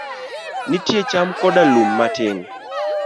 Nitie cham koda lum matin.